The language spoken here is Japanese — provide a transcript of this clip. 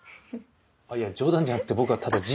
いや冗談じゃなくて僕はただ事実を。